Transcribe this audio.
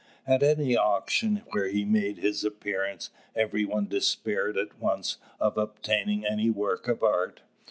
At any auction where he made his appearance, every one despaired at once of obtaining any work of art.